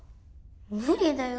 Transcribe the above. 無理だよ